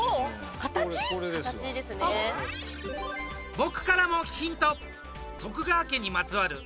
僕からもヒント！